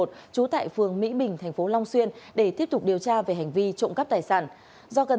trú tại phường mỹ bình thành phố long xuyên để tiếp tục điều tra về hành vi trộm cắp tài sản do cần